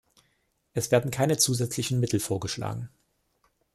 Es werden keine zusätzlichen Mittel vorgeschlagen.